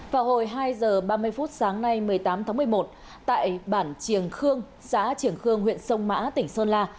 vào hồi hai h ba mươi phút sáng nay một mươi tám tháng một mươi một tại bản triềng khương xã trường khương huyện sông mã tỉnh sơn la